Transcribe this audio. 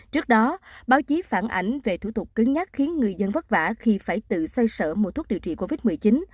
trước đó báo chí phản ảnh về thủ tục cứng nhắc khiến người dân vất vả khi phải tự xây sở mua thuốc điều trị covid một mươi chín